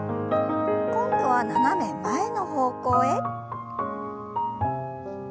今度は斜め前の方向へ。